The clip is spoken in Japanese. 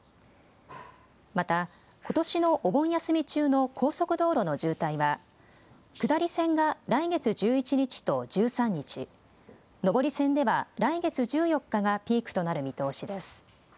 また、ことしのお盆休み中の高速道路の渋滞は下り線が来月１１日と１３日、上り線では来月１４日がピークとなる見通しです。